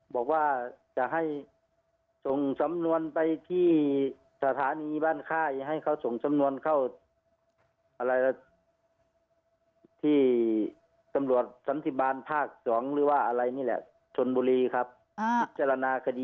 บอกว่าจะให้ส่งสำนวนไปที่สถานีบ้านคร่าย